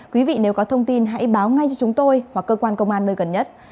quý vị nếu có thông tin hãy báo ngay cho chúng tôi hoặc cơ quan công an nơi gần nhất